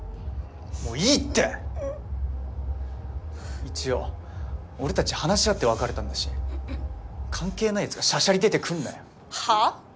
もういいって一応俺たち話し合って別れたんだし関係ないヤツがしゃしゃり出てくんなよはぁ？